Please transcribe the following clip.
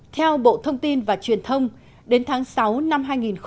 theo bộ thông tin và truyền thông đến tháng sáu năm hai nghìn một mươi chín